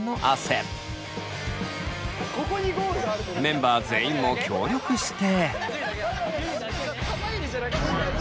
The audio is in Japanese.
メンバー全員も協力して。